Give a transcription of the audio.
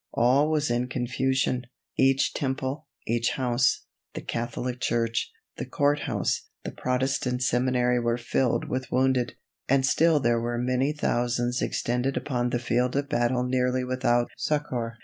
All was in confusion, each temple, each house, the Catholic church, the Court House, the Protestant Seminary were filled with wounded, and still there were many thousands extended upon the field of battle nearly without succor.